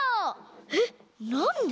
えっなんで？